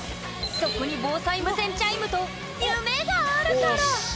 そこに防災無線チャイムと夢があるから！